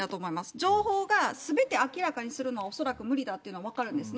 情報がすべて明らかにするのは恐らく無理だっていうのは分かるんですね。